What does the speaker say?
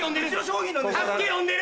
助け呼んでる！